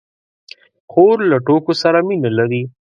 خور له ټوکو سره مینه لري.